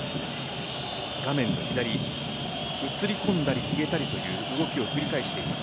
画面の左、映り込んだり消えたりという動きを繰り返しています。